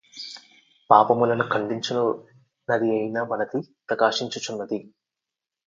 పాపములను ఖండించునదియైన వనిత ప్రకాశించుచున్నది